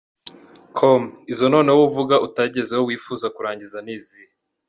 com : Izo noneho uvuga ko utagezeho wifuza kurangiza ni izihe ?.